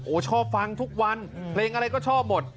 ชอบฟังทุกวันเพลงอะไรก็ชอบหมด